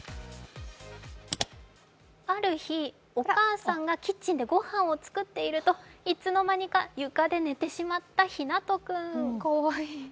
ある日、お母さんがキッチンでご飯を作っているといつの間にか床で寝てしまったひなと君。